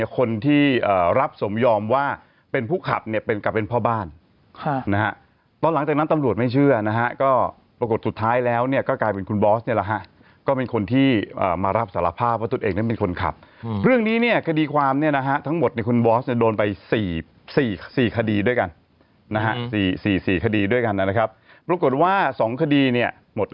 คนที่รับสมยอมว่าเป็นผู้ขับเนี่ยเป็นกับเป็นพ่อบ้านนะฮะตอนหลังจากนั้นตำรวจไม่เชื่อนะฮะก็ปรากฏสุดท้ายแล้วเนี่ยก็กลายเป็นคุณบอสเนี่ยแหละฮะก็เป็นคนที่มารับสารภาพว่าตัวเองนั้นเป็นคนขับเรื่องนี้เนี่ยคดีความเนี่ยนะฮะทั้งหมดเนี่ยคุณบอสเนี่ยโดนไป๔คดีด้วยกันนะฮะ๔๔คดีด้วยกันนะครับปรากฏว่า๒คดีเนี่ยหมด